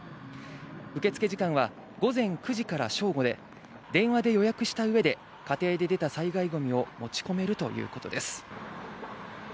受け付け時間は午前９時から正午で電話で予約した上で家庭で出た災害ごみを持ち込めるということです。